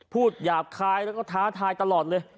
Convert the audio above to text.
หยาบคายแล้วก็ท้าทายตลอดเลย